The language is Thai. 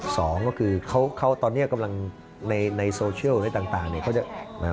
สองก็คือเขาตอนนี้กำลังในโซเชียลอะไรต่าง